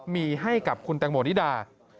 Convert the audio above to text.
มีให้กับคุณแตงโมนิดา